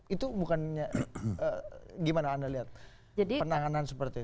itu bukannya gimana anda lihat penanganan seperti itu